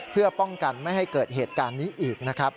เพื่อป้องกันไม่ให้เกิดเหตุการณ์นี้อีกนะครับ